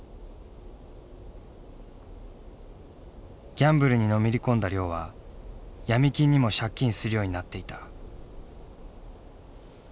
ギャンブルにのめり込んだ亮は闇金にも借金するようになっていた。